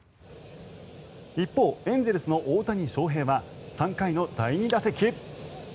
一方、エンゼルスの大谷翔平は３回の第２打席。